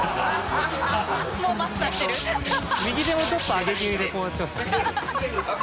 右手をちょっとあげ気味でこうやってましたね。